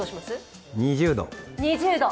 ２０度。